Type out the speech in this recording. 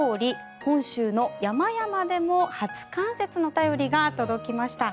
本州の山々でも初冠雪の便りが届きました。